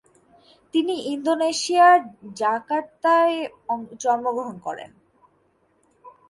তিনি ইন্দোনেশিয়া এর জাকার্তা এ জন্মগ্রহণ করেন।